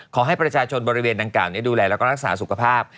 ขอให้ประชาชนบริเวณดังกล่านี้ดูแลแล้วก็รักษาสุขภาพ